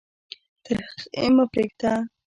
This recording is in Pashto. تر هغې مه پرېږده.